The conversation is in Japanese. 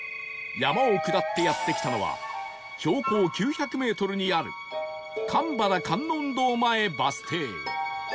山を下ってやって来たのは標高９００メートルにある鎌原観音堂前バス停